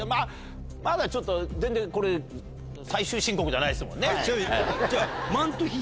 まだちょっと全然これ最終申告じゃないですもんね？